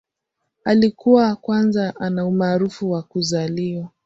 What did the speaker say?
Alikuwa kwanza ana umaarufu wa kuzaliwa.